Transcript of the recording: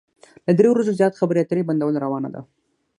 له درې ورځو زيات خبرې اترې بندول روا نه ده.